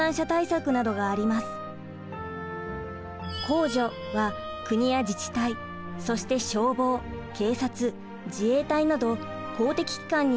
公助は国や自治体そして消防警察自衛隊など公的機関による支援。